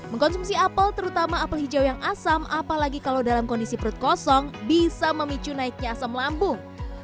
mengkonsumsi apel terutama apel hijau yang asam apalagi kalau dalam kondisi perut kosong bisa memicu naiknya asam lambung